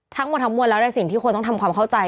ทางบทมวลแล้วอะไรสิ่งที่คนต้องทำความเข้าใจ